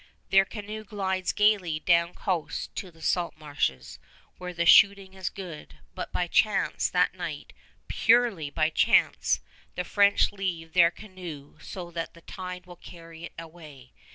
Their canoe glides gayly down coast to the salt marshes, where the shooting is good; but by chance that night, purely by chance, the French leave their canoe so that the tide will carry it away.